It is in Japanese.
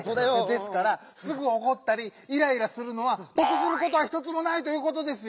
ですから「すぐおこったりイライラするのはとくすることはひとつもない」ということですよ。